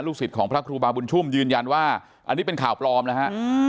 สิทธิ์ของพระครูบาบุญชุ่มยืนยันว่าอันนี้เป็นข่าวปลอมนะฮะ